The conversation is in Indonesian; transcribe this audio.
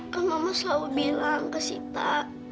kan allah selalu bilang ke sita